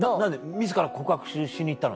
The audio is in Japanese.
自ら告白しに行ったの？